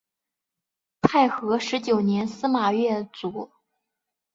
太和十九年司马跃卒。